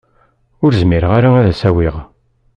Ur zmireɣ ara ad s-awiɣ.